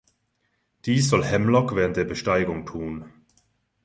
Dies soll Hemlock während der Besteigung tun.